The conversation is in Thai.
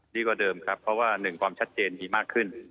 ดีกว่าเดิมครับเพราะว่าหนึ่งความชัดเจนมีมากขึ้น